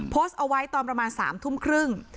โพสต์เอาไว้ตอนประมาณ๓ทุ่มครึ่ง